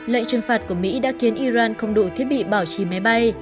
lệnh trừng phạt của mỹ đã khiến iran không đủ thiết bị bảo trì máy bay